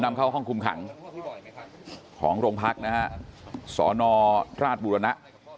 นำเข้าห้องคุมขังของโรงพักนะฮะสนราชบุรณะ